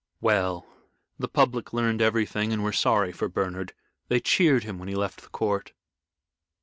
"Well, the public learned everything and were sorry for Bernard. They cheered him when he left the court."